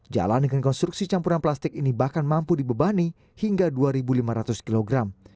jalan dengan konstruksi campuran plastik ini bahkan mampu dibebani hingga dua lima ratus kilogram